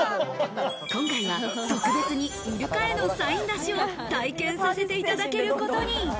今回は特別にイルカへのサイン出しを体験させていただけることに。